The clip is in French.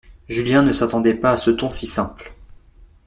Julien ne s'attendait pas à ce ton si simple.